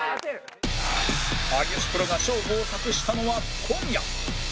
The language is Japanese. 有吉プロが勝負を託したのは小宮